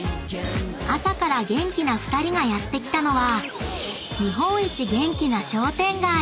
［朝から元気な２人がやって来たのは］